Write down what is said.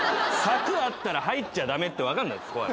柵あったら入っちゃダメって分かんない？